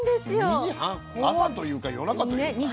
２時半朝というか夜中というか。ね。